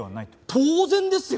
当然ですよ！